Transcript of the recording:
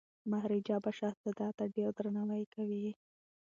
مهاراجا به شهزاده ته ډیر درناوی کوي.